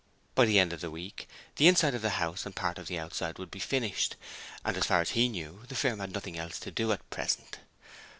By the end of next week, the inside of the house and part of the outside would be finished, and as far as he knew the firm had nothing else to do at present.